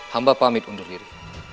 hamba pamit undur diri